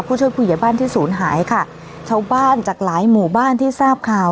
ผู้ช่วยผู้ใหญ่บ้านที่ศูนย์หายค่ะชาวบ้านจากหลายหมู่บ้านที่ทราบข่าว